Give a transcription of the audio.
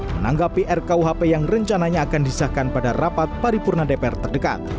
menanggapi rkuhp yang rencananya akan disahkan pada rapat paripurna dpr terdekat